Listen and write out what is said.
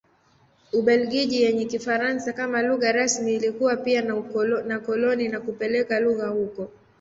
Ubelgiji yenye Kifaransa kama lugha rasmi ilikuwa pia na koloni na kupeleka lugha huko.